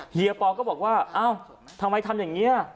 เฮียปอก็บอกว่าเอ้าทำไมทำอย่างนี้